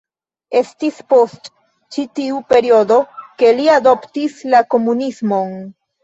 Estis post ĉi tiu periodo ke li adoptis komunismon.